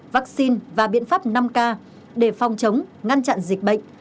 vaccine và biện pháp năm k để phòng chống ngăn chặn dịch bệnh